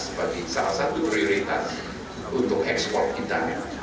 sebagai salah satu prioritas untuk ekspor kita